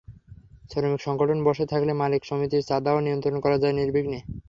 শ্রমিক সংগঠন বশে থাকলে মালিক সমিতির চাঁদাও নিয়ন্ত্রণ করা যায় নির্বিঘ্নে।